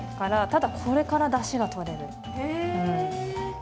ただこれからだしが取れる。